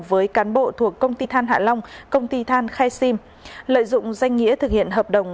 với cán bộ thuộc công ty than hạ long công ty than khai sim lợi dụng danh nghĩa thực hiện hợp đồng